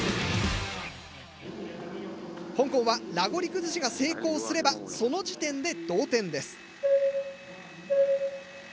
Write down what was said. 香港はラゴリ崩しが成功すればその時点で同点です。